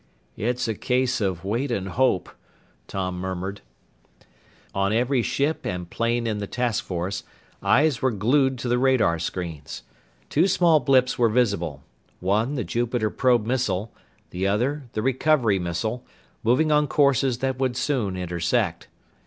"It's a case of wait and hope," Tom murmured. On every ship and plane in the task force, eyes were glued to the radar screens. Two small blips were visible one the Jupiter probe missile, the other the recovery missile moving on courses that would soon intersect.